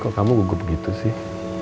kok kamu gugup gitu sih